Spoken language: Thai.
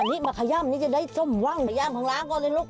อันนี้มาขยัมนี่จะได้จมว่างขยัมข้างล่างก็ได้ลูก